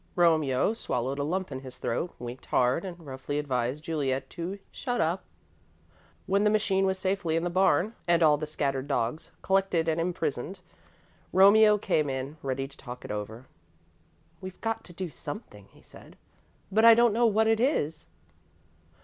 Romeo swallowed a lump in his throat, winked hard, and roughly advised Juliet to "shut up." When the machine was safely in the barn, and all the scattered dogs collected and imprisoned, Romeo came in, ready to talk it over. "We've got to do something," he said, "but I don't know what it is."